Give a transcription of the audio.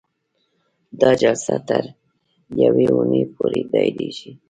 دا جلسه تر یوې اونۍ پورې دایریږي.